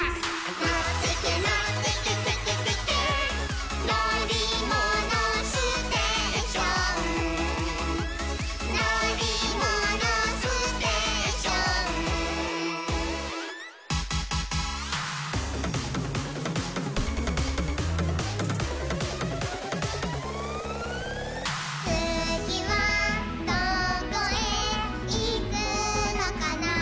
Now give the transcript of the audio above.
「のってけのってけテケテケ」「のりものステーション」「のりものステーション」「つぎはどこへいくのかな」